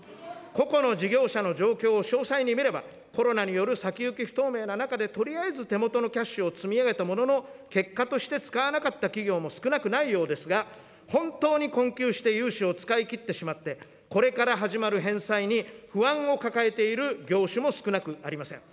個々の事業者の状況を詳細に見れば、コロナによる先行き不透明な中でとりあえず手元のキャッシュを積み上げたものの、結果として使わなかった企業も少なくないようですが、本当に困窮して融資を使い切ってしまって、これから始まる返済に不安を抱えている業種も少なくありません。